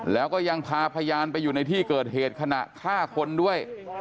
แล้วก็ยังพาพยานไปอยู่ในที่เกิดเหตุขณะฆ่าคนด้วย